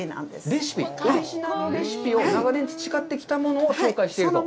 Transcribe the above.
オリジナルレシピを、長年培ってきたものを紹介していると。